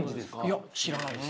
いや知らないです。